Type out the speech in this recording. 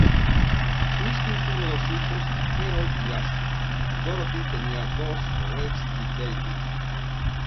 Christine tuvo dos hijos, Herold y Asa; Dorothy tenía dos, Rex y David.